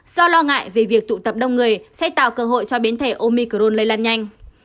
do lo ngại về việc tụ tập đông người sẽ tạo cơ hội cho biến thể omicron lây lan nhanh